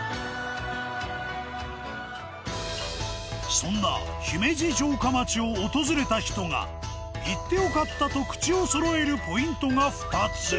そんな姫路城下町を訪れた人が行って良かったと口をそろえるポイントが２つ。